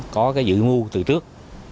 có cái dự mưu từ trước